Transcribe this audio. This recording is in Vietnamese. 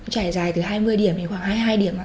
trải dài từ hai mươi điểm đến khoảng hai mươi hai điểm